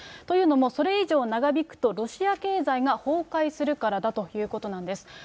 というのもそれ以上長引くと、ロシア経済が崩壊するからだということなんです。